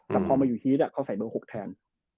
แต่พอมาอยู่ฮีสเขาใส่เบอร์๖แทน